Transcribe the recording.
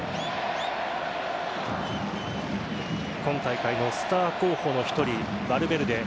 今大会のスター候補の１人ヴァルヴェルデ。